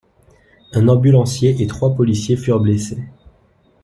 Un ambulancier et trois policiers furent blessés.